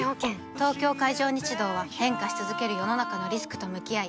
東京海上日動は変化し続ける世の中のリスクと向き合い